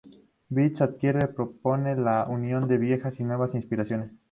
Beats Antique propone la unión de viejas y nuevas inspiraciones.